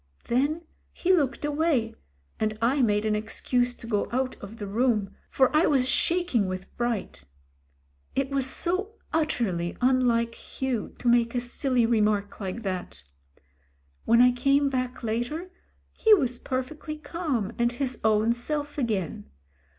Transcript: Then he looked away, and I made an excuse to go out of the room, for I was shaking with fright. It was so utterly unlike Hugh to make a silly remark like that. When I came back later, he was perfectly calm and his own self again.